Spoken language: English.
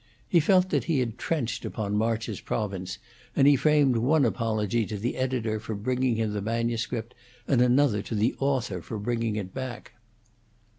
He felt that he had trenched upon March's province, and he framed one apology to the editor for bringing him the manuscript, and another to the author for bringing it back.